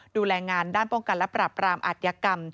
ดูแลงานด้านป้องกันและปรับรามอัธยกรรม